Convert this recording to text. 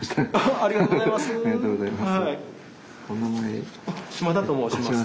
ありがとうございます。